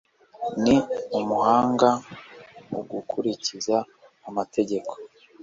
Ni umuhanga mu gukurikiza amategeko.